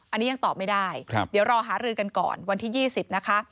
อันนี้ยังตอบไม่ได้เดี๋ยวรอหารือกันก่อนวันที่๒๐นะคะ